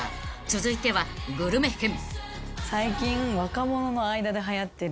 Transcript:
［続いてはグルメ編］